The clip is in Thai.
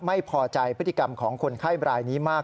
ไม่พอใจพฤติกรรมของคนไข้บรายนี้มาก